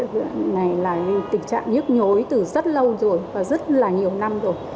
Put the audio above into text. cái việc này là tình trạng nhức nhối từ rất lâu rồi và rất là nhiều năm rồi